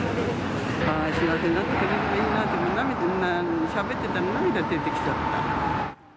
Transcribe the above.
幸せになってくれればいいなと、話していたら、しゃべってたら涙出てきちゃった。